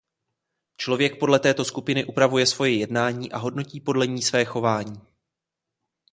Člověk podle této skupiny upravuje svoje jednání a hodnotí podle ní své chování.